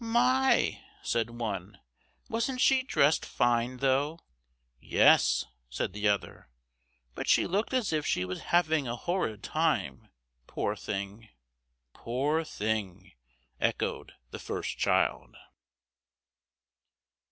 "My!" said one, "wasn't she dressed fine, though!" "Yes," said the other; "but she looked as if she was having a horrid time, poor thing." "Poor thing!" echoed the first child.